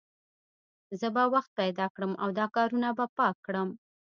زه به وخت پیدا کړم او دا کارونه به پاک کړم